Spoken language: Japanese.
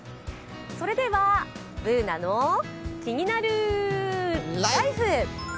それでは、「ＢｏｏｎａのキニナルＬＩＦＥ」。